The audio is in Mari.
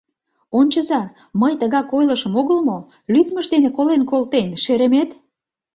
— Ончыза, мый тыгак ойлышым огыл мо: лӱдмыж дене колен колтен, шеремет!